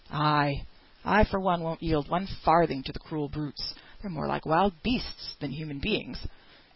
"Ay, I for one won't yield one farthing to the cruel brutes; they're more like wild beasts than human beings."